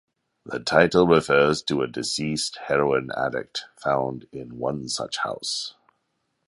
The title refers to a deceased heroin addict found in one such house.